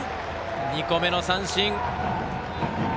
２個目の三振。